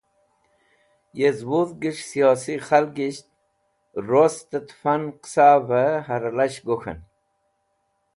Yez Wudhges̃h Siyosi Khalgisht Rostet Fun Qasave Haralash Gok̃hen